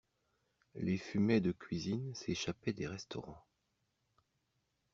Les fumets de cuisine s'échappaient des restaurants.